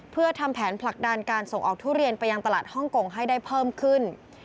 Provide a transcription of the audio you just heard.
เพื่อทำแผนผลักดันการส่งออกทุเรียนไปยังตลาดฮ่องกงให้ได้เพิ่มขึ้น